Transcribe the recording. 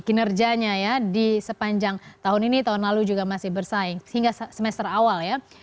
kinerjanya ya di sepanjang tahun ini tahun lalu juga masih bersaing hingga semester awal ya